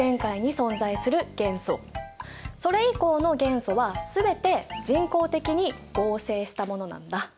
それ以降の元素は全て人工的に合成したものなんだ。